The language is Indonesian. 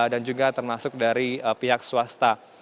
dan juga termasuk dari pihak swasta